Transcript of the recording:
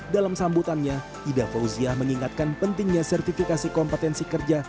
dalam sambutannya ida fauziah mengingatkan pentingnya sertifikasi kompetensi kerja